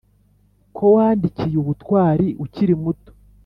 “ko wandikiye ubutwari ukiri muto